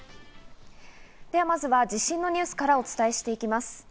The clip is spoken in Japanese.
ではまずは地震のニュースからお伝えしていきます。